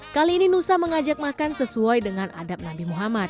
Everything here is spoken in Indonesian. kali ini nusa mengajak makan sesuai dengan adab nabi muhammad